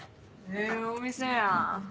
ええお店やん。